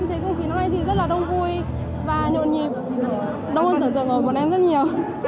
mọi người em thấy công khí năm nay rất là đông vui và nhộn nhịp đông hơn tưởng tượng của mọi người em rất nhiều